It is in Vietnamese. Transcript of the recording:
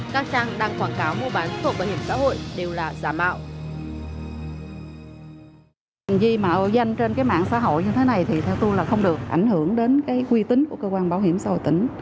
các trang đang quảng cáo mua bán sổ bảo hiểm xã hội đều là giả mạo